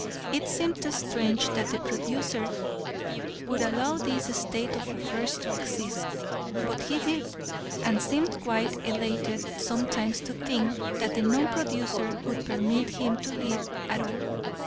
It seemed strange that the producer would allow this state of affairs to exist; but he did, and seemed quite elated sometimes to think that the non producer would permit him to live at all.